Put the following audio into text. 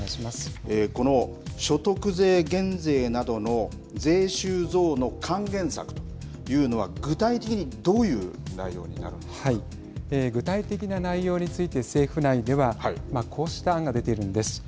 この所得税減税などの税収増の還元策というのは具体的にどういう内容に具体的な内容について政府内ではこうした案が出ているんです。